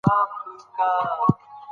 نو ځکه وایم چې وختي پیل کړئ.